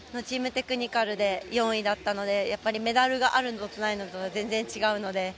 テクニカルで４位だったのでやっぱりメダルがあるのとないのとでは全然違うので。